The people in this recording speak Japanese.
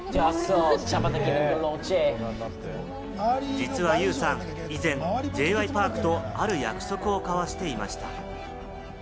実はユウさん、以前Ｊ．Ｙ．Ｐａｒｋとある約束を交わしていました。